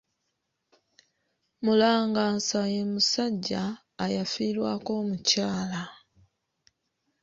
Mulangansa ye musajja ayafiirwako omukyala.